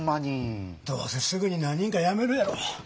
どうせすぐに何人かやめるやろ。